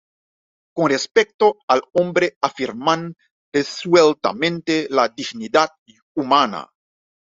Con respecto al hombre afirman resueltamente la dignidad humana.